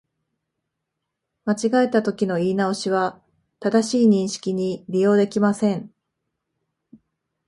間違えたときの言い直しは、正しい認識に利用できません